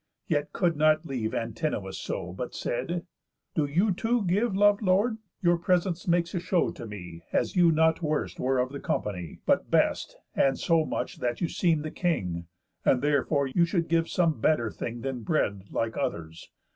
Yet could not leave Antinous so, but said: "Do you too give, Lov'd lord; your presence makes a show to me As you not worst were of the company, But best, and so much that you seem the king, And therefore you should give some better thing Than bread, like others.